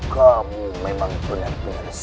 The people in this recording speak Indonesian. kamu memang benar benar